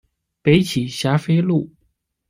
北起霞飞路。